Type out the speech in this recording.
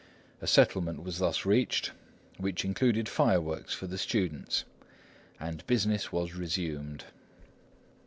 A settlement was thus reached, which included fireworks for the students, and business was resumed.